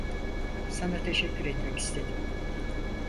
Sana teşekkür etmek istedim.